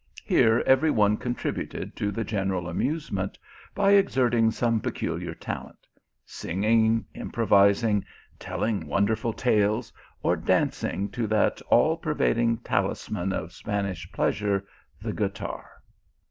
Here every one contributed to the general amusement by exerting some peculiar talent ; singing, improvising, telling wonderful tales, or dancing to that all pervading talisman of Spanish pleasure, the guitar.